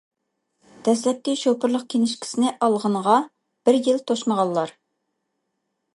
دەسلەپكى شوپۇرلۇق كىنىشكىسىنى ئالغىنىغا بىر يىل توشمىغانلار.